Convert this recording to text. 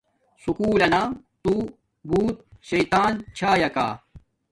سکُول لنا تو بوت شطان چھایاکا